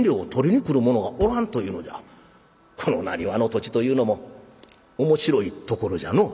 このなにわの土地というのも面白いところじゃのう」。